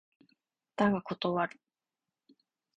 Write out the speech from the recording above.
だが断る。